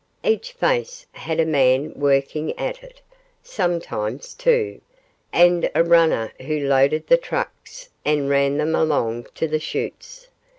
Each face had a man working at it, sometimes two, and a runner who loaded the trucks, and ran them along to the shoots.